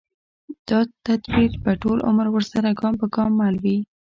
دا تدبیر به ټول عمر ورسره ګام پر ګام مل وي